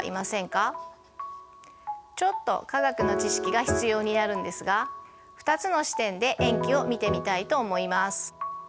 ちょっと化学の知識が必要になるんですが２つの視点で塩基を見てみたいと思います。